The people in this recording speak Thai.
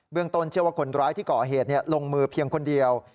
ต้นเชื่อว่าคนร้ายที่ก่อเหตุลงมือเพียงคนเดียว